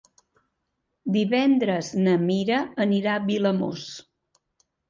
Divendres na Mira anirà a Vilamòs.